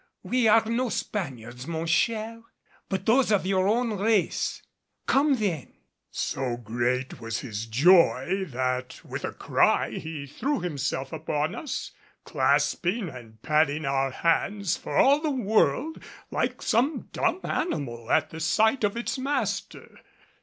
We are no Spaniards, mon cher, but those of your own race. Come then!" So great was his joy that with a cry he threw himself upon us, clasping and patting our hands for all the world like some dumb animal at the sight of its master.